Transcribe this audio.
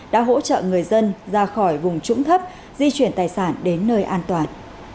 đã hỗ trợ người dân ra khỏi vùng trũng thấp di chuyển tài sản đến nơi an toàn